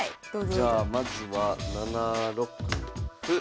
じゃあまずは７六歩。